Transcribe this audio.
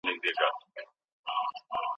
ولسي جرګه تل د حقايقو د موندلو هڅه کوي.